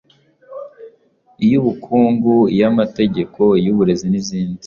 iy’ubukungu, iy’amategeko, iy’uburezi n’izindi.